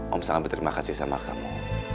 om sangat berterima kasih sama kamu